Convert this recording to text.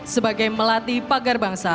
sebagai melati pagar bangsa